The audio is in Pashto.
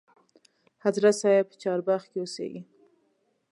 حضرت صاحب په چارباغ کې اوسیږي.